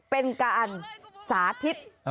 เป็นการสาธิต